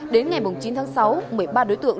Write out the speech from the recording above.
đến ngày chín tháng sáu một mươi ba đối tượng